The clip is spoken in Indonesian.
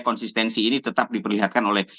konsistensi ini tetap diperlihatkan oleh